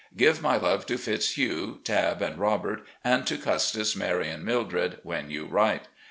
Give my love to Fitzhugh, Tabb, and Robert and to Custis, Mary, and Mildred when you write.